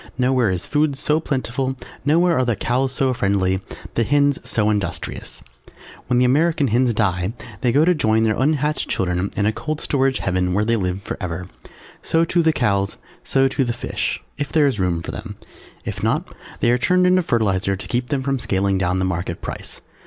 Nowhere is food so plentiful, nowhere are the Cows so friendly, the Hens so industrious. When the American Hens die they go to join their unhatched children in a cold storage Heaven where they live forever. So too the Cows, so too the Fish, if there is room for them; if not they are turned into fertilizer to keep them from scaling down the market price.